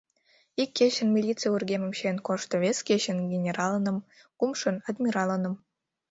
Ик кечын милиций вургемым чиен кошто, вес кечын — генералыным, кумшын — адмиралыным.